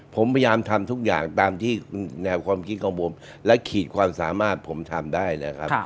ผมพยายามทำทุกอย่างตามที่แนวความคิดของผมและขีดความสามารถผมทำได้นะครับ